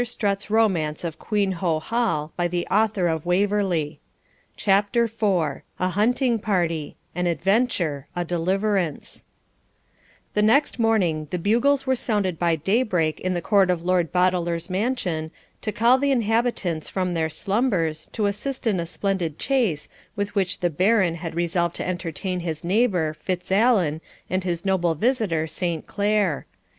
STRUTT'S ROMANCE OF QUEENHOO HALL BY THE AUTHOR OF WAVERLEY CHAPTER IV A HUNTING PARTY AN ADVENTURE A DELIVERANCE THE next morning the bugles were sounded by daybreak in the court of Lord Boteler's mansion, to call the inhabitants from their slumbers to assist in a splendid chase with which the Baron had resolved to entertain his neighbour Fitzallen and his noble visitor St. Clare.